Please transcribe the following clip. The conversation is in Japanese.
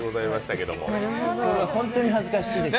これは本当に恥ずかしいです。